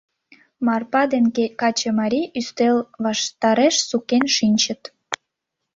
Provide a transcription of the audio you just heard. Марпа ден качымарий ӱстел ваштареш сукен шинчыт.